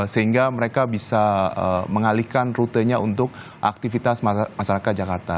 sehingga mereka bisa mengalihkan rutenya untuk aktivitas masyarakat jakarta